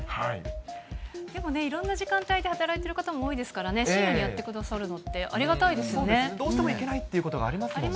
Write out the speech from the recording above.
でもね、いろんな時間帯で働いている方も多いですからね、深夜にやってくださるのってありそうですね、どうしても行けないってことがありますもんね。